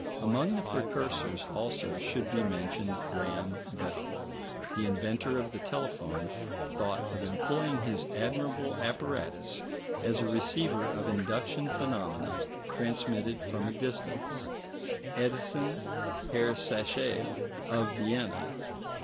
Among the precursors also should be mentioned Graham Bell; the inventor of the telephone thought of employing his admirable apparatus as a receiver of induction phenomena transmitted from a distance; Edison, Herr Sacher of Vienna, M.